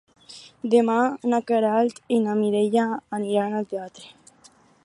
Demà na Queralt i na Mireia aniran al teatre.